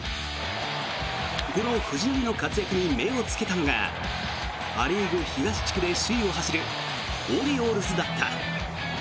この藤浪の活躍に目をつけたのがア・リーグ東地区で首位を走るオリオールズだった。